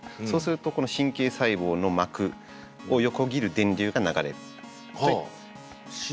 そうするとこの神経細胞の膜を横切る電流が流れる。